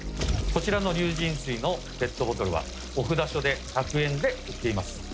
こちらの龍神水のペットボトルはお札所で１００円で売っています。